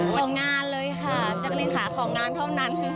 ของงานเลยค่ะแจ๊กรีนค่ะของงานเท่านั้น